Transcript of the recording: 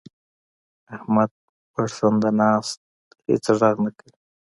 احمد پړسنده ناست؛ هيڅ ږغ نه کوي.